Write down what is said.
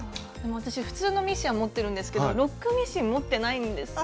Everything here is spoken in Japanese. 私普通のミシンは持ってるんですけどロックミシン持ってないんですよね。